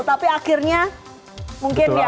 tapi akhirnya mungkin ya belum bisa